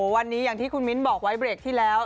วันนี้อย่างที่คุณมิ้นบอกไว้เบรกที่แล้ว